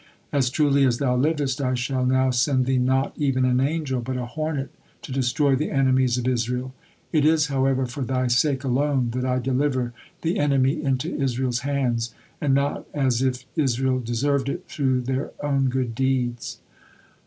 As truly as thou livest, I shall now send thee not even an angel, but a hornet to destroy the enemies of Israel. It is, however, for thy sake alone that I deliver the enemy into Israel's hands, and not as if Israel deserved it through their own good deeds."